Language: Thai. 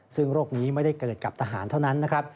ซึ่งโรคนี้ไม่ได้เกิดกับทหารเท่านั้นนะครับ